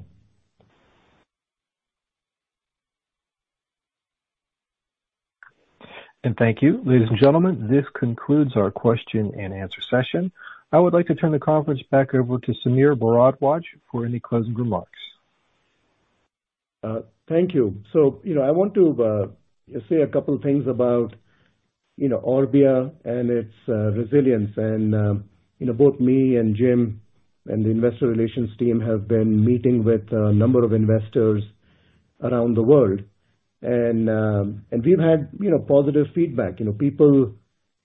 Speaker 1: Thank you. Ladies and gentlemen, this concludes our question and answer session. I would like to turn the conference back over to Sameer Bharadwaj for any closing remarks.
Speaker 3: Thank you. You know, I want to say a couple things about, you know, Orbia and its resilience. You know, both me and Jim and the investor relations team have been meeting with a number of investors around the world. We've had, you know, positive feedback. You know, people,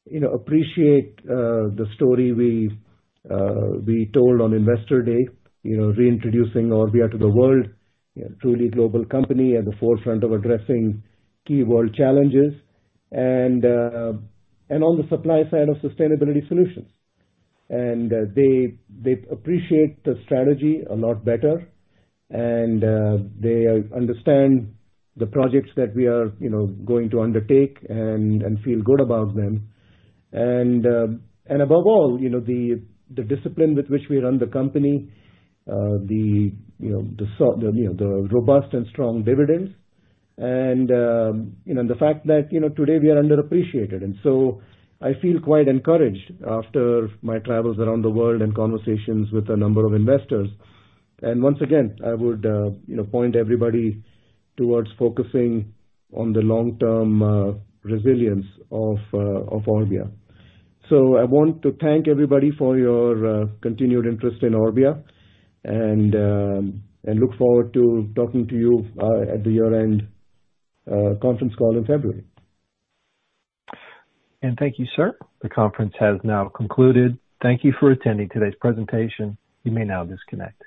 Speaker 3: you know, appreciate the story we told on Investor Day, you know, reintroducing Orbia to the world, you know, truly global company at the forefront of addressing key world challenges and on the supply side of sustainability solutions. They appreciate the strategy a lot better, and they understand the projects that we are, you know, going to undertake and feel good about them. Above all, you know, the discipline with which we run the company, the, you know, the robust and strong dividends and, you know, the fact that, you know, today we are underappreciated. I feel quite encouraged after my travels around the world and conversations with a number of investors. Once again, I would, you know, point everybody towards focusing on the long-term resilience of Orbia. I want to thank everybody for your continued interest in Orbia and look forward to talking to you at the year-end conference call in February.
Speaker 1: Thank you, sir. The conference has now concluded. Thank you for attending today's presentation. You may now disconnect.